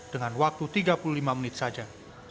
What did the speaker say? dengan waktu tiga puluh lima menit saja